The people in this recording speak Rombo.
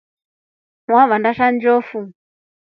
Wavanda sha njofu.